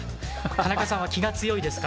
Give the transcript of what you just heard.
田中さんは気が強いですか。